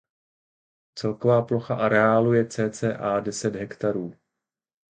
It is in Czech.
Celková plocha areálu je cca deset hektarů.